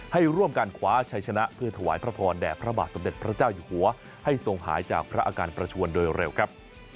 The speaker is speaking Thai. ให้ร่วมการคว้าชัยชนะเพื่อถวายพระพรแด่พระบาทสมเด็จพระเจ้าอยู่หัวให้ทรงหายจากพระอาการประชวนโดยเร็วครับ